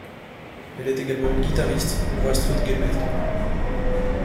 Elle est également guitariste pour Astrud Gilberto.